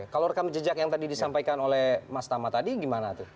kalau rekam jejak yang tadi disampaikan oleh mas tama tadi gimana tuh